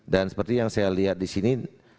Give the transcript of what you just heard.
dan seperti yang saya lihat di sini